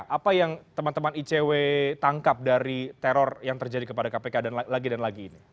apa yang teman teman icw tangkap dari teror yang terjadi kepada kpk dan lagi dan lagi ini